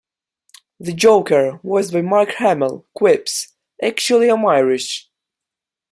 The Joker, voiced by Mark Hamill, quips, Actually I'm Irish.